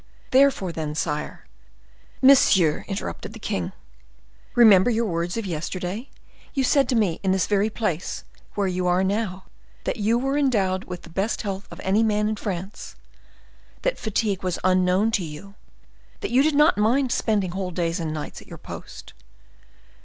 Therefore, then, sire—" "Monsieur," interrupted the king, "remember your words of yesterday. You said to me in this very place where you now are, that you were endowed with the best health of any man in France; that fatigue was unknown to you! that you did not mind spending whole days and nights at your post.